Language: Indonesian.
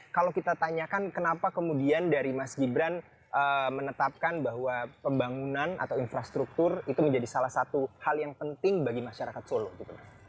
kalau kita tanyakan kenapa kemudian dari mas gibran menetapkan bahwa pembangunan atau infrastruktur itu menjadi salah satu hal yang penting bagi masyarakat solo gitu